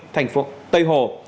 thành phố tây hồ